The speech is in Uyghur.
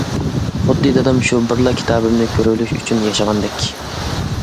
خۇددى دادام شۇ بىرلا كىتابىمنى كۆرۈۋېلىش ئۈچۈن ياشىغاندەك.